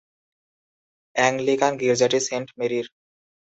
Anglican গির্জাটি saint মেরির।